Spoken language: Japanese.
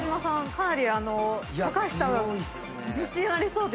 かなり橋さんは自信ありそうです。